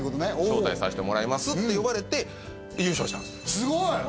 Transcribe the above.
招待さしてもらますって呼ばれて優勝したんですよ